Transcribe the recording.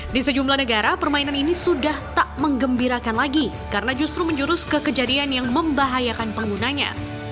di sejumlah negara permainan ini sudah tak mengembirakan lagi karena justru menjurus ke kejadian yang membahayakan penggunanya